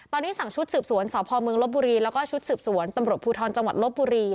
ตอนนี้สั่งชุดสืบสวนสพมลบบุรีและชุดสืบสวนตำรวจพจลบบุรี